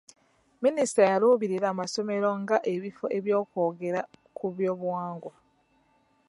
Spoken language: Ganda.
Minisita yaluubirira masomero nga ebifo eby'okwogera ku byobuwangwa.